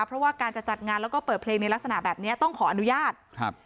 เพราะว่าการจะจัดงานแล้วก็เปิดเพลงในลักษณะแบบเนี้ยต้องขออนุญาตครับ